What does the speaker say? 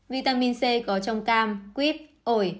vitamin c có trong cam quyếp ổi